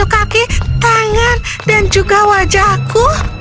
kaki tangan dan wajahku menusuk kembali